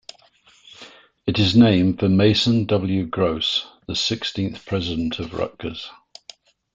It is named for Mason W. Gross, the sixteenth president of Rutgers.